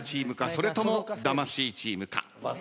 それとも魂チームか。